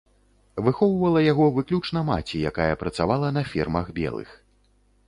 Выхоўвала яго выключна маці, якая працавала на фермах белых.